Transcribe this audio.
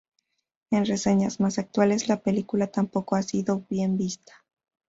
En reseñas más actuales, la película tampoco ha sido bien vista.